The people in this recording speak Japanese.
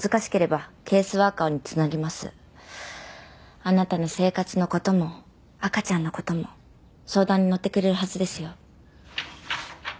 あなたの生活の事も赤ちゃんの事も相談に乗ってくれるはずですよ。